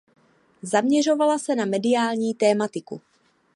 Zaměřovala se na mediální tematiku.